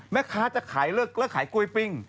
แม่ค้าจะขายเลิกขายกล้วยปิ้ง